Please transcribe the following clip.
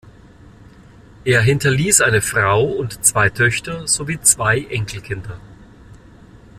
Er hinterließ eine Frau und zwei Töchter sowie zwei Enkelkinder.